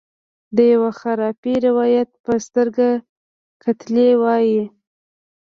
د یوه خرافي روایت په سترګه کتلي وای.